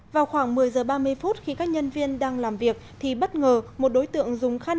vào khoảng một mươi giờ ba mươi phút khi các nhân viên đang làm việc thì bất ngờ một đối tượng dùng khăn